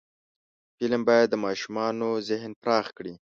فلم باید د ماشومانو ذهن پراخ کړي